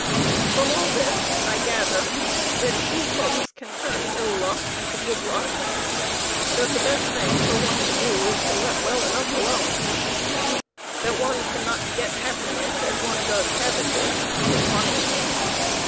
y From all this I gather: That few folks can turn ill luck into good luck. That the best thing for one to do is to let well enough alone. That one cannot get happiness as one does cabbages with money.